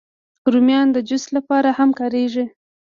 رومیان د جوس لپاره هم کارېږي